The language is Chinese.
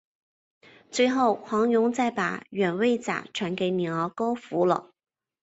最后黄蓉再把软猬甲传给女儿郭芙了。